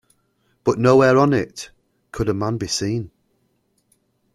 But nowhere on it could a man be seen.